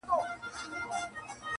په میوند پسې دې خان و مان را ووت ,